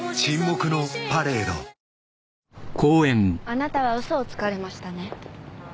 あなたは嘘をつかれましたね？